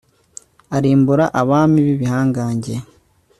arimbura abami b'ibihangange